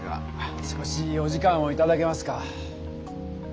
少しお時間をいただけますか？